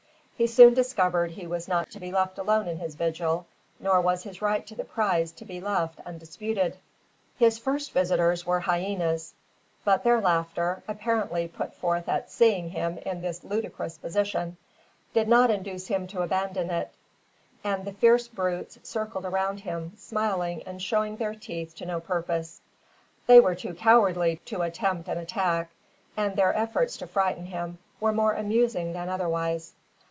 He soon discovered he was not to be left alone in his vigil; nor was his right to the prize to be left undisputed. His first visitors were hyenas; but their laughter apparently put forth at seeing him in his ludicrous position did not induce him to abandon it; and the fierce brutes circled around him, smiling and showing their teeth to no purpose. They were too cowardly to attempt an attack; and their efforts to frighten him were more amusing than otherwise.